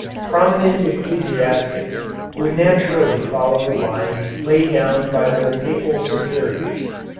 Prominent ecclesiastics would naturally follow the lines laid down by their Papal superiors.